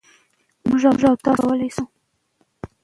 مـوږ او تاسـو کـولی شـو